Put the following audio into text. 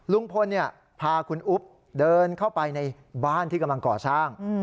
ลุงพลพาคุณอุ๊บเดินเข้าไปในบ้านที่กำลังก่อสร้าง